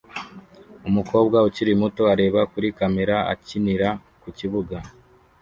umukobwa ukiri muto areba kuri kamera akinira ku kibuga